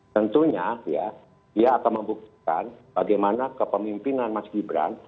tentunya ya dia akan membuktikan bagaimana kepemimpinan mas gibran